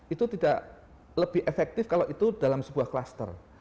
itu tidak lebih efektif kalau itu dalam sebuah kluster